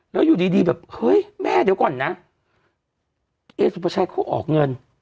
แล้วอยู่ดีดีแบบเฮ้ยแม่เดี๋ยวก่อนนะเอสุภาชัยเขาออกเงิน